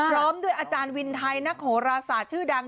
พร้อมด้วยอาจารย์วินไทยนักโหราศาสตร์ชื่อดัง